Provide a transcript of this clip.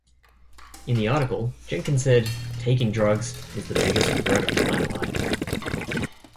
In the article Jenkins said "taking drugs is the biggest regret of my life".